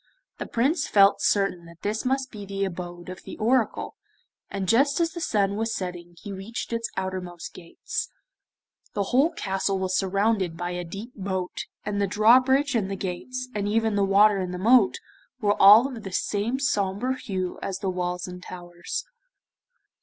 The Prince felt certain that this must be the abode of the Oracle, and just as the sun was setting he reached its outermost gates. The whole castle was surrounded by a deep moat, and the drawbridge and the gates, and even the water in the moat, were all of the same sombre hue as the walls and towers.